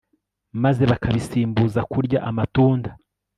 maze bakabisimbuza kurya amatunda